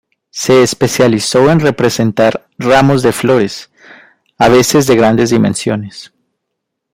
Se especializó en representar ramos de flores, a veces de grandes dimensiones.